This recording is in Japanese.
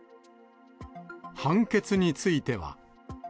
判決については。